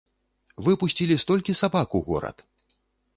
Выпусцілі столькі сабак у горад!